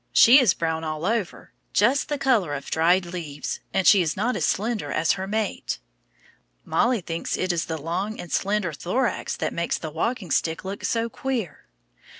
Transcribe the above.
She is brown all over, just the color of dried leaves, and she is not as slender as her mate. Mollie thinks it is the long and slender thorax that makes the walking stick look so queer.